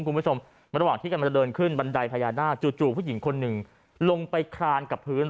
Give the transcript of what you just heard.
คุณผู้ชมระหว่างที่กำลังจะเดินขึ้นบันไดพญานาคจู่ผู้หญิงคนหนึ่งลงไปคลานกับพื้น